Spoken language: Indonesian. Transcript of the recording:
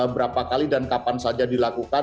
berapa kali dan kapan saja dilakukan